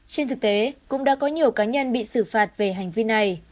trên thực tế cũng đã có nhiều cá nhân bị xử phạt về hành vi này